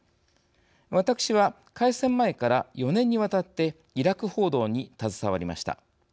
私は、開戦前から４年にわたってイラク報道に携わりました。